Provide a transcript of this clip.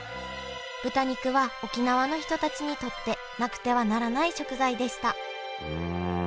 豚肉は沖縄の人たちにとってなくてはならない食材でしたうん。